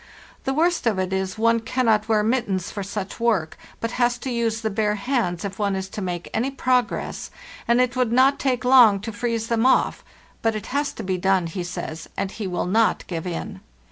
The worst of it is one cannot wear mittens for such work, but has to use the bare hands if one is to make any progress, and it would not take long to freeze them off; but it has to be done, he says, and he will not give in.